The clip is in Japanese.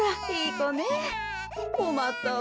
こまったわ。